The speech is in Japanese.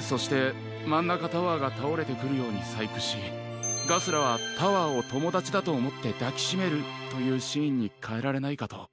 そしてマンナカタワーがたおれてくるようにさいくしガスラはタワーをともだちだとおもってだきしめるというシーンにかえられないかと。